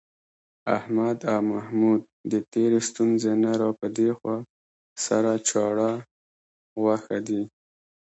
احمد او محمود د تېرې ستونزې نه را پدېخوا، سره چاړه غوښه دي.